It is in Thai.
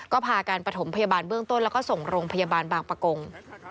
ก็พาการประถมพยาบาลเบื้องต้นแล้วก็ส่งโรงพยาบาลบางประกง